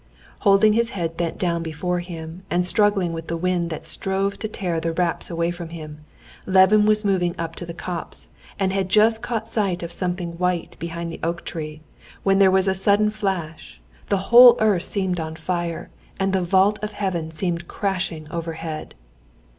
Holding his head bent down before him, and struggling with the wind that strove to tear the wraps away from him, Levin was moving up to the copse and had just caught sight of something white behind the oak tree, when there was a sudden flash, the whole earth seemed on fire, and the vault of heaven seemed crashing overhead.